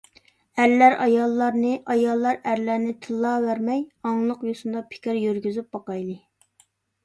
ئەرلەر ئاياللارنى، ئاياللار ئەرلەرنى تىللاۋەرمەي، ئاڭلىق يوسۇندا پىكىر يۈرگۈزۈپ باقايلى.